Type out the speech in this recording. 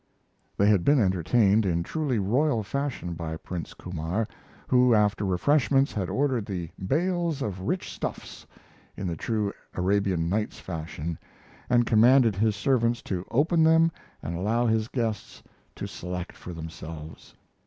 They had been entertained in truly royal fashion by Prince Kumar, who, after refreshments, had ordered in "bales of rich stuffs" in the true Arabian Nights fashion, and commanded his servants to open them and allow his guests to select for themselves.